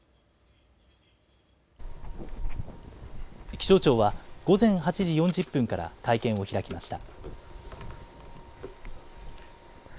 気象庁は午前８時４０分から会見を開きました。